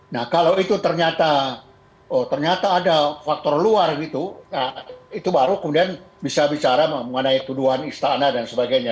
nah kalau itu ternyata ada faktor luar gitu itu baru kemudian bisa bicara mengenai tuduhan istana dan sebagainya